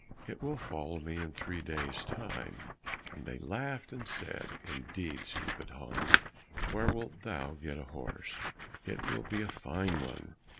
"It will follow me in three days' time." Then they laughed and said, "Indeed, stupid Hans, where wilt thou get a horse?" "It will be a fine one!"